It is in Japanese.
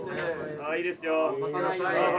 ああいいですよ。